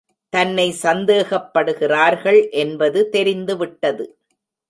தன்னை சந்தேகப்படுகிறார்கள் என்பது தெரிந்துவிட்டது